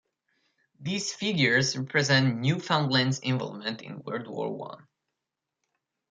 These figures represent Newfoundland's involvement in World War One.